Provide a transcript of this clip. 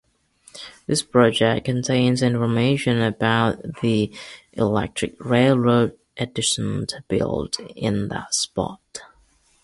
This project contains information about the Electric Railroad Edison built in that spot.